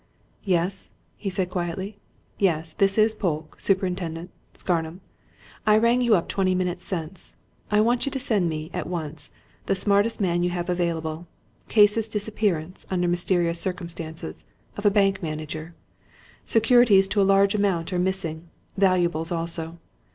"Yes?" he said quietly. "Yes this is Polke, superintendent, Scarnham I rang you up twenty minutes since. I want you to send me, at once, the smartest man you have available. Case is disappearance, under mysterious circumstances, of a bank manager. Securities to a large amount are missing; valuables also.